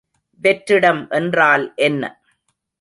வெற்றிடம் என்றால் என்ன?